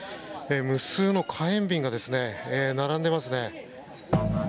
無数の火炎瓶が並んでいますね。